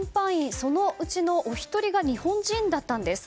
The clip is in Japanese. そのうちのお一人が日本人だったんです。